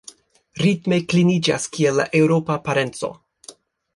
Ritme kliniĝas kiel la eŭropa parenco.